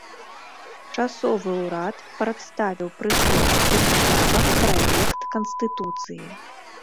Часовы ўрад прадставіў прысутным дэпутатам праект канстытуцыі.